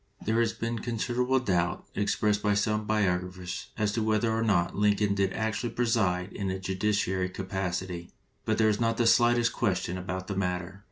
There has been considerable doubt expressed by some biographers as to whether or no Lincoln did actually preside in a judiciary capacity, but there is not the slightest question about the matter.